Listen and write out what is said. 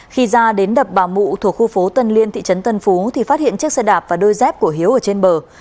khi ra đến đập bà mụ thuộc khu phố tân liên thị trấn tân phú thì phát hiện chiếc xe đạp và đôi dép của hiếu ở trên bờ